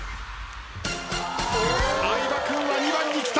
相葉君は２番にきた。